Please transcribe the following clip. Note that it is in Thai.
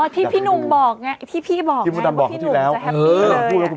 ที่พี่หนุ่มบอกไงที่พี่บอกพี่หนุ่มบอกพี่หนุ่มจะแฮปปี้เลย